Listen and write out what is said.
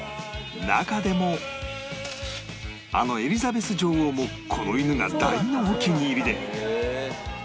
中でもあのエリザベス女王もこの犬が大のお気に入りで